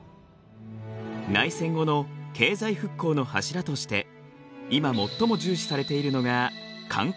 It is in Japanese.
内戦後の経済復興の柱として今最も重視されているのが観光業です。